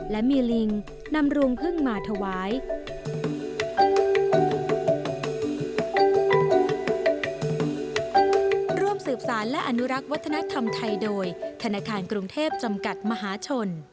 และมีลิงนำรวงพึ่งมาถวาย